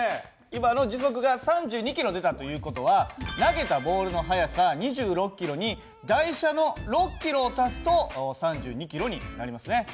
今の時速が３２キロ出たという事は投げたボールの速さ２６キロに台車の６キロを足すと３２キロになりますね。